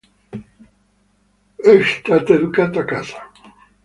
È stato educato a casa.